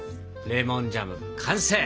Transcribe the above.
レモンジャム完成！